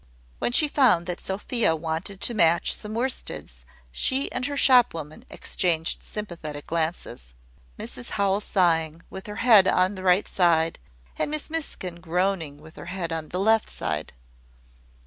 When she found that Sophia wanted to match some worsteds, she and her shop woman exchanged sympathetic glances Mrs Howell sighing, with her head on the right side, and Miss Miskin groaning, with her head on the left side.